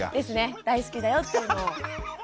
大好きだよっていうのを。